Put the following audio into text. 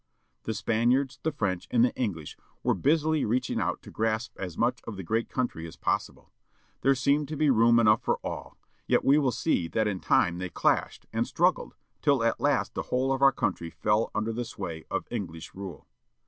The Spaniards, the French, and the English were busily reaching out to grasp as much of the great country as possible. There seemed to be room enough for all, yet we will see that in time they clashed, and struggled, till at last the whole of our country fell vinder the sway of English rule.